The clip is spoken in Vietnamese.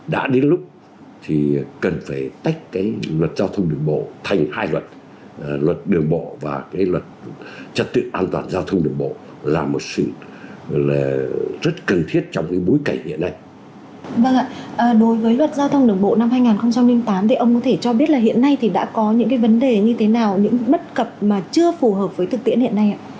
đối với luật giao thông đường bộ năm hai nghìn tám thì ông có thể cho biết là hiện nay thì đã có những cái vấn đề như thế nào những bất cập mà chưa phù hợp với thực tiễn hiện nay ạ